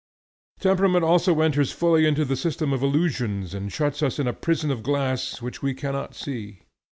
Temperament also enters fully into the system of illusions and shuts us in a prison of glass which we cannot see.